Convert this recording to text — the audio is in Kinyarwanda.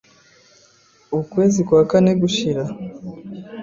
ukwezi kwa kane gushira